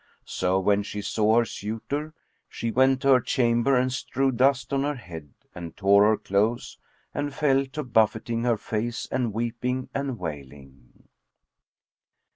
So, when she saw her suitor, she went to her chamber and strewed dust on her head and tore her clothes and fell to buffeting her face and weeping and wailing.